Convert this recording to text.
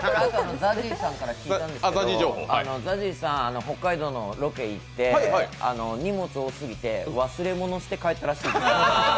ＺＡＺＹさんに聞いたんですけど、ＺＡＺＹさん、北海道のロケに行って荷物多すぎて忘れ物して帰ったらしいです。